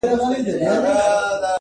نسته څوک د رنځ طبیب نه د چا د زړه حبیب!